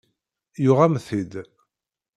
Yuɣ-am-t-id.